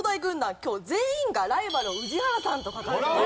今日全員がライバルを宇治原さんと書かれています。